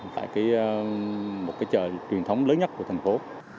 tại một cái chợ truyền thống lớn nhất của thành phố